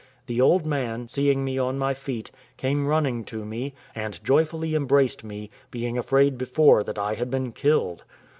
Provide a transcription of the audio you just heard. The old man, seeing me on my feet, came running to me, and joyfully embraced me, being afraid before that I had been killed.